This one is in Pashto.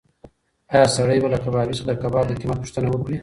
ایا سړی به له کبابي څخه د کباب د قیمت پوښتنه وکړي؟